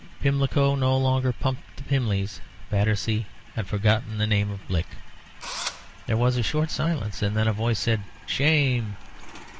Pimlico no longer pumped the Pimlies. Battersea had forgotten the name of Blick. There was a short silence, and then a voice said "Shame!"